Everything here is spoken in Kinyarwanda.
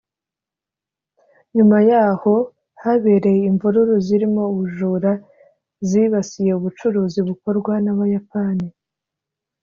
nyuma y’aho habereye imvururu zirimo ubujura zibasiye ubucuruzi bukorwa n’Abayapani